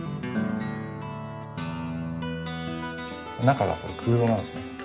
中がこれ空洞なんですね。